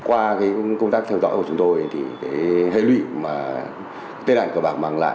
qua công tác theo dõi của chúng tôi hệ lụy mà tên ảnh của bạc mang lại